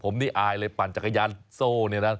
ผมนี่อายเลยปั่นจักรยานโซ่เนี่ยนะ